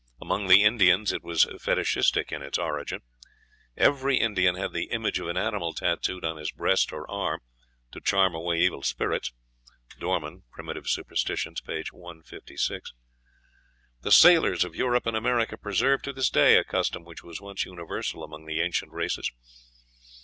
Among the Indians it was fetichistic in its origin; "every Indian had the image of an animal tattooed on his breast or arm, to charm away evil spirits." (Dorman, "Prim. Superst.," p. 156.) The sailors of Europe and America preserve to this day a custom which was once universal among the ancient races.